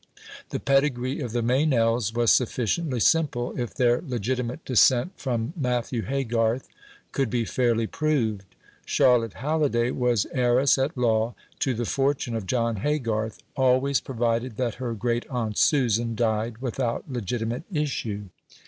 The pedigree of the Meynells was sufficiently simple, if their legitimate descent from Matthew Haygarth could be fairly proved. Charlotte Halliday was heiress at law to the fortune of John Haygarth, always provided that her great aunt Susan died without legitimate issue.